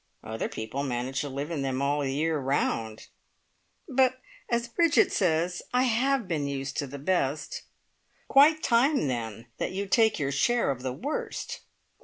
"Other people manage to live in them all the year round!" "But, as Bridget says, I have been used to the best." "Quite time, then, that you take your share of the worst!"